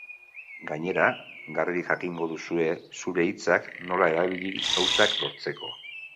Gainera, garbi jakingo duzu zure hitzak nola erabili gauzak lortzeko.